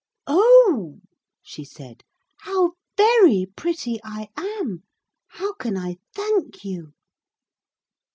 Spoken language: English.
'Oh,' she said, 'how very pretty I am. How can I thank you?'